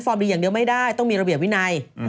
ดีอย่างเดียวไม่ได้ต้องมีระเบียบวินัย